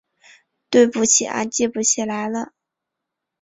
对不起啊记不起来了